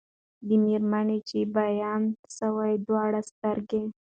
د مېرمني چي بینا سوې دواړي سترګي